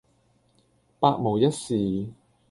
百無一是